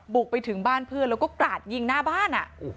บุกไปถึงบ้านเพื่อนแล้วก็กราดยิงหน้าบ้าน